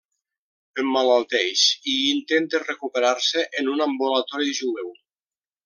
Emmalalteix i intenta recuperar-se en un ambulatori jueu.